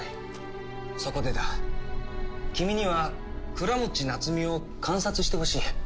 そこでだ君には倉持夏美を観察してほしい。